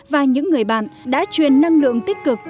và những người bạn đã truyền năng lượng tích cực